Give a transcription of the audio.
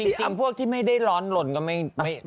จริงพวกที่ไม่ได้ร้อนหล่นก็ไม่